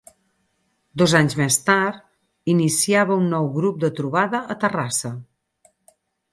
Dos anys més tard, iniciava un nou grup de trobada a Terrassa.